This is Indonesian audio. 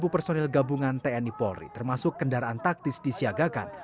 sepuluh personil gabungan tni polri termasuk kendaraan taktis disiagakan